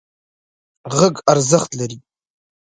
غږ ارزښت لري.